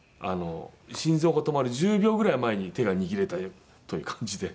心臓が止まる１０秒ぐらい前に手が握れたという感じで。